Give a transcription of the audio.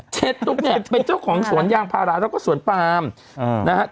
เจ๊ตุ๊กเนี่ยเป็นเจ้าของสวนยางพาราแล้วก็สวนปามนะครับ